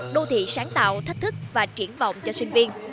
đô thị sáng tạo thách thức và triển vọng cho sinh viên